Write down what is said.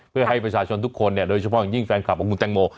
เพื่อให้ประชาชนทุกคนเนี่ยโดยเฉพาะอย่างยิ่งแฟนคลับของคุณแตงโม